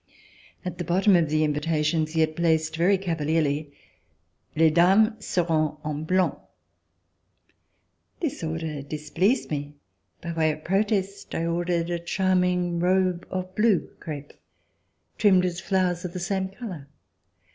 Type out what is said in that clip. At the bottom of the invitations he had placed very cavalierly: "Les dames seront en blanc." This order displeased me. By way of protest, I ordered a charming robe of blue crepe, trimmed with flowers of the same color.